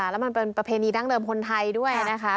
แล้วมันเป็นประเพณีดั้งเดิมคนไทยด้วยนะคะ